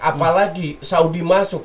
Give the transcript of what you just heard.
apalagi saudi masuk